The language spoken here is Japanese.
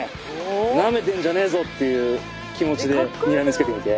ナメてんじゃねぞっていう気持ちでにらみつけてみて。